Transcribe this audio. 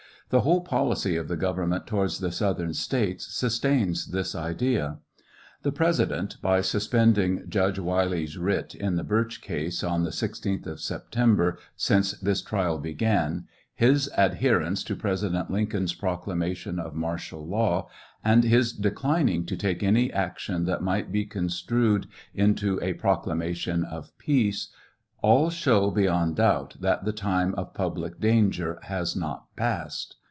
The whole policy of the government towards the southern States sustains this idea. The President by suspending Judge Wylie's writ in the Burch case on the 16th of September since this trial began, his adherence to President Lincoln's proclamation of martial law, and his declining to take any action that might be construed into a proclamation of peace, all show beyond doubt that the time of public danger has not passed.